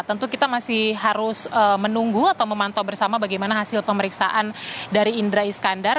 tentu kita masih harus menunggu atau memantau bersama bagaimana hasil pemeriksaan dari indra iskandar